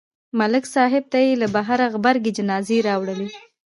ملک صاحب ته یې له بهره غبرګې جنازې راوړلې